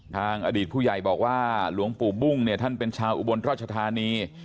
อดีตผู้ใหญ่บอกว่าหลวงปู่บุ้งเนี่ยท่านเป็นชาวอุบลราชธานี